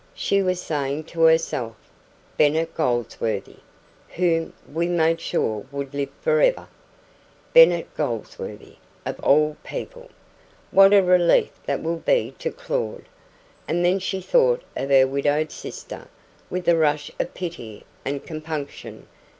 She was saying to herself, "Bennet Goldsworthy, whom we made sure would live for ever! Bennet Goldsworthy, of all people! What a relief that will be to Claud!" And then she thought of her widowed sister, with a rush of pity and compunction.